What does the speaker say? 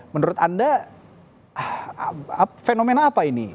menurut anda fenomena apa ini